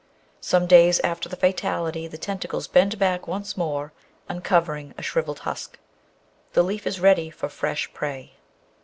Some days after the fatality the tentacles bend back once more, uncovering a shrivelled husk. The leaf is ready for fresh prey.